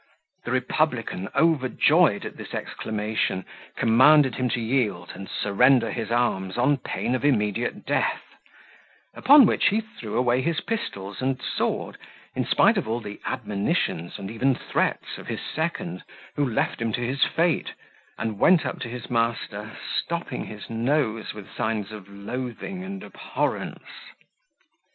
The republican, overjoyed at this exclamation, commanded him to yield, and surrender his arms, on pain of immediate death; upon which he threw away his pistols and sword, in spite of all the admonitions and even threats of his second, who left him to his fate, and went up to his master, stopping his nose with signs of loathing and abhorrence.